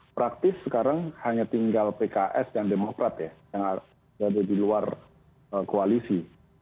praktis sekarang hanya tinggal pks dan demokrat ya yang ada di luar koalisi